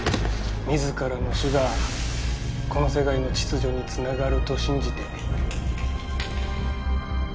自らの死がこの世界の秩序に繋がると信じて。